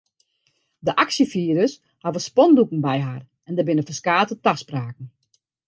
De aksjefierders hawwe spandoeken by har en der binne ferskate taspraken.